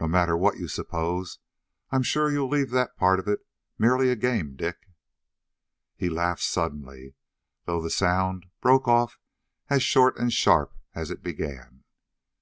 "No matter what you suppose, I'm sure you'll leave that part of it merely a game, Dick!" He laughed suddenly, though the sound broke off as short and sharp as it began.